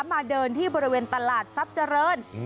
มาเดินที่บริเวณตลาดทรัพย์เจริญ